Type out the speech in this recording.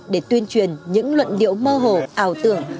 để tuyên truyền những luận điệu mơ hồ ảo tưởng